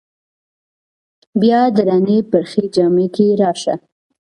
بیا د رڼې پرخې جامه کې راشه